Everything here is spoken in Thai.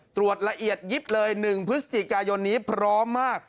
ตรวจละเอียดยิบเลย๑พฤศจิกายนนี้พร้อมมาก